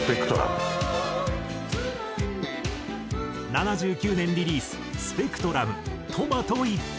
７９年リリーススペクトラム『トマト・イッパツ』。